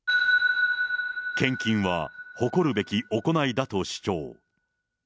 献金は誇るべき行いだと主張。